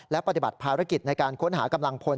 และปฏิบัติภารกิจในการค้นหากำลังพล